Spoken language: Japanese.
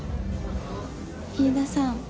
飯田さん